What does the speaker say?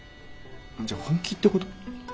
じゃあ本気ってこと？